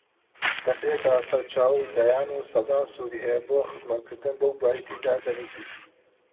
دەکرێتە سەرچاوە و دەیان و سەدان سوودی هەیە بۆ خزمەتکردن بەو بوارەی تێیدا دەنووسیت